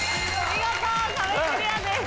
見事壁クリアです。